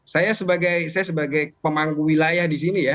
saya sebagai pemanggu wilayah disini ya